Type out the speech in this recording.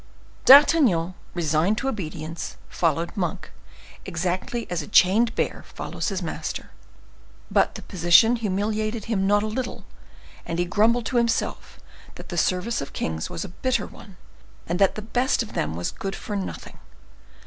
D'Artagnan, resigned to obedience, followed Monk exactly as a chained bear follows his master; but the position humiliated him not a little, and he grumbled to himself that the service of kings was a bitter one, and that the best of them was good for nothing.